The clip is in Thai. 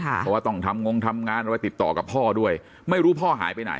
เพราะว่าต้องทำงงทำงานอะไรติดต่อกับพ่อด้วยไม่รู้พ่อหายไปไหน